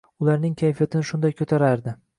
Uarning kayfiyatini shunday koʻtarardi.